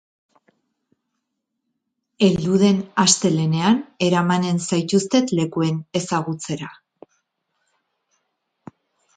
Heldu den astelehenean eramanen zaituztet lekuen ezagutzera.